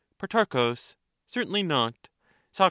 Pro. Certainly not. Soc.